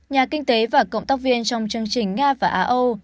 nhà kinh tế và cộng tác viên trong chương trình nga và á âu